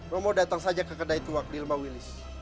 romo datang saja ke kedai tuak di rumah wilis